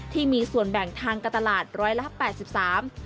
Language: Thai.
ที่มีส่วนแบ่งทางกระตุลาด๑๘๓ล้านบาท